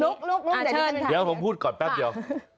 เดี๋ยวผมพูดก่อนแป๊บเดี๋ยว